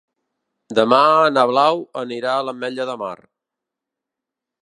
Demà na Blau anirà a l'Ametlla de Mar.